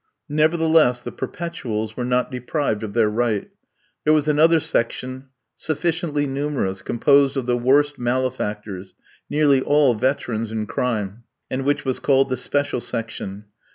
Nevertheless, the perpetuals were not deprived of their right. There was another section sufficiently numerous, composed of the worst malefactors, nearly all veterans in crime, and which was called the special section.